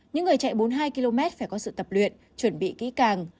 những người chạy bốn mươi hai km phải có sự tập luyện chuẩn bị kỹ càng